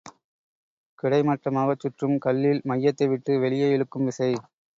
கிடைமட்டமாகச் சுற்றும் கல்லில் மையத்தைவிட்டு வெளியே இழுக்கும் விசை.